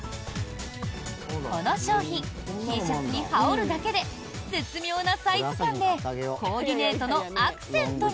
この商品Ｔシャツに羽織るだけで絶妙なサイズ感でコーディネートのアクセントに。